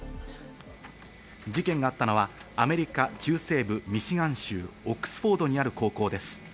事件があったのはアメリカ中西部、ミシガン州オックスフォードにある高校です。